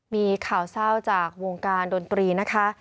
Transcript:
มีข่าวเศร้าจากวงการดนตรีนะคะ